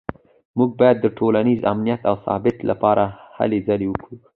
موږ باید د ټولنیز امنیت او ثبات لپاره هلې ځلې وکړو